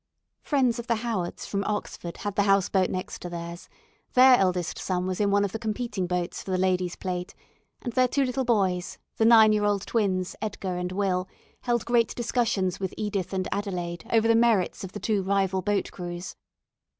Friends of the Howards from Oxford had the house boat next to theirs their eldest son was in one of the competing boats for the "Ladies' Plate," and their two little boys, the nine year old twins, Edgar and Will, held great discussions with Edith and Adelaide over the merits of the two rival boat crews.